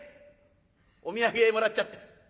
お土産もらっちゃって。